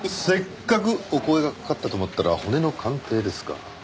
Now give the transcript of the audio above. せっかくお声がかかったと思ったら骨の鑑定ですか。